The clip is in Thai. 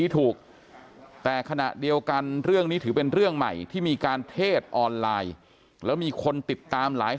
ถือว่าต้องสร้างบรรทัศน์กรณีการเท็จออนไลน์ผ่านไลฟ์